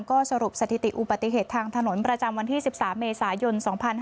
ก็สรุปสถิติอุบัติเหตุทางถนนประจำวันที่๑๓เมษายน๒๕๕๙